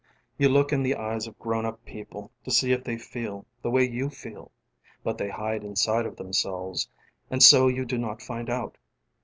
┬Ā┬ĀYou look in the eyes of grown up people ┬Ā┬Āto see if they feel ┬Ā┬Āthe way you feelŌĆ" ┬Ā┬Ābut they hide inside of themselves, ┬Ā┬Āand so you do not find out.